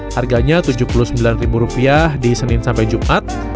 harganya rp tujuh puluh sembilan di senin sampai jumat